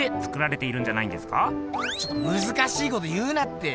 ちょっとむずかしいこと言うなって。